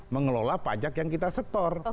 mengelola pajak yang kita setor